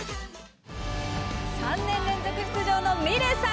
３年連続出場のｍｉｌｅｔさん。